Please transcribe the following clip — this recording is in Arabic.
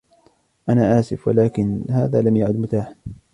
أنا آسف، ولكن هذا لم يعد متاحاً.